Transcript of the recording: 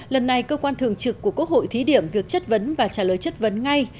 lần này cơ quan thường trực của quốc hội thí điểm việc chất vấn và trả lời chất vấn ngay